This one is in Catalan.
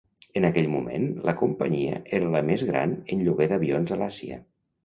En aquell moment, la Companyia era la més gran en lloguer d'avions a l'Àsia.